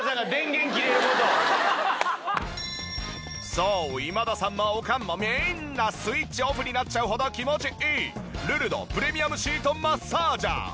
そう今田さんもおかんもみんなスイッチオフになっちゃうほど気持ちいいルルドプレミアムシートマッサージャー。